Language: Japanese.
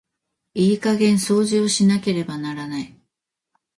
いい加減掃除をしなければならない。